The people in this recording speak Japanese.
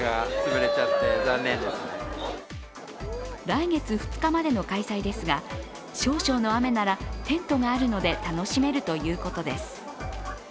来月２日までの開催ですが、少々の雨ならテントがあるので楽しめるということです。